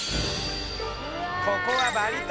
ここはバリ島！